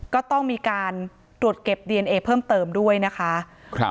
ก็ต้องมีการตรวจเก็บดีเอนเอเพิ่มเติมด้วยนะคะครับ